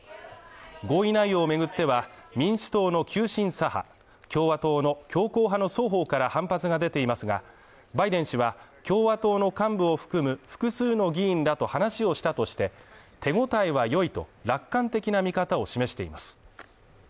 合意内容を巡っては、民主党の急進左派共和党の強硬派の双方から反発が出ていますが、バイデン氏は共和党の幹部を含む複数の議員らと話をしたとして、手応えは良いと楽観的な見方を示しています。